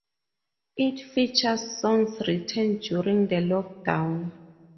It features songs written during the lockdown.